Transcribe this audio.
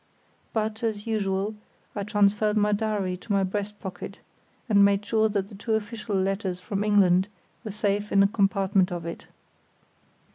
But, as usual, I transferred my diary to my breast pocket, and made sure that the two official letters from England were safe in a compartment of it.